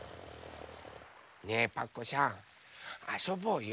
ねえパクこさんあそぼうよ。